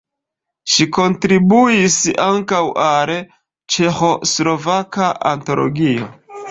Ŝi kontribuis ankaŭ al "Ĉeĥoslovaka Antologio".